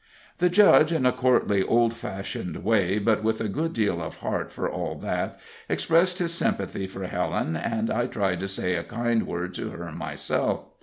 The judge, in a courtly, old fashioned way, but with a good deal of heart for all that, expressed his sympathy for Helen, and I tried to say a kind word to her myself.